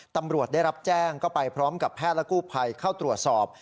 ตำรวจได้รับแจ้งก็ไปพร้อมกับแพทย์และกู้ภัยเข้าตรวจสอบ